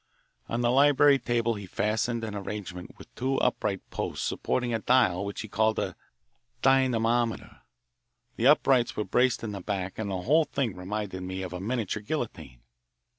On the library table he fastened an arrangement with two upright posts supporting a dial which he called a "dynamometer." The uprights were braced in the back, and the whole thing reminded me of a miniature guillotine.